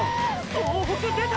総北出た！！